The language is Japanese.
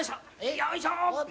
よいしょ！